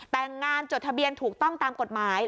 แต่งงานจดทะเบียนถูกต้องตามกฎหมาย